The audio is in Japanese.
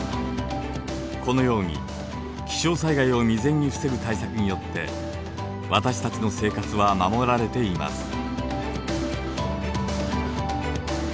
このように気象災害を未然に防ぐ対策によって私たちの生活は守られています。